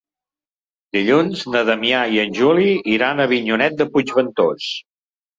Dilluns na Damià i en Juli iran a Avinyonet de Puigventós.